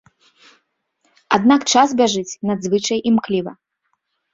Аднак час бяжыць надзвычай імкліва.